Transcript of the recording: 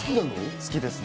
好きですね。